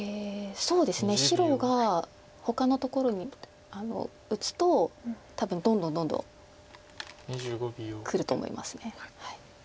そうですね白がほかのところに打つと多分どんどんどんどんくると思います。